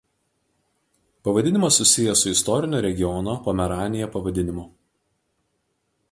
Pavadinimas susijęs su istorinio regiono Pomeranija pavadinimu.